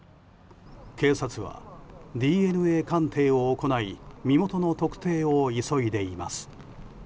警察は、ＤＮＡ鑑定を行い身元の特定を急いでいます。